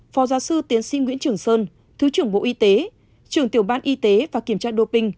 phó giáo sư tiến sĩ nguyễn trưởng sơn thứ trưởng bộ y tế trưởng tiểu ban y tế và kiểm tra đô pinh